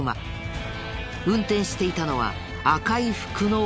運転していたのは赤い服の男。